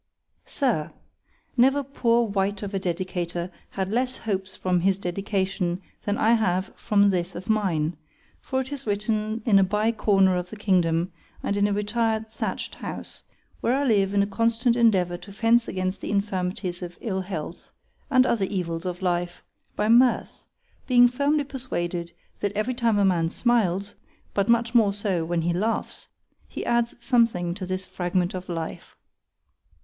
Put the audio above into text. S I R, NEVER poor Wight of a Dedicator had less hopes from his Dedication, than I have from this of mine; for it is written in a bye corner of the kingdom, and in a retir'd thatch'd house, where I live in a constant endeavour to fence against the infirmities of ill health, and other evils of life, by mirth; being firmly persuaded that every time a man smiles,——but much more so, when he laughs, it adds something to this Fragment of Life.